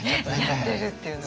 やってるっていうのが。